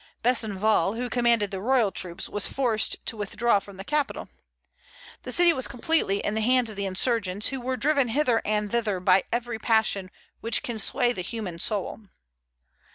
Besenval, who commanded the royal troops, was forced to withdraw from the capital. The city was completely in the hands of the insurgents, who were driven hither and thither by every passion which can sway the human soul.